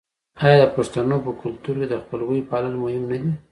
آیا د پښتنو په کلتور کې د خپلوۍ پالل مهم نه دي؟